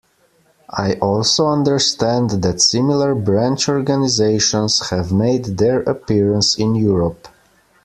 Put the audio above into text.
I also understand that similar branch organizations have made their appearance in Europe.